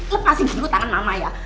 lepasin dulu tangan mama ya